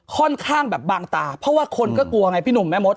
ค่อนข้างแบบบางตาเพราะว่าคนก็กลัวไงพี่หนุ่มแม่มด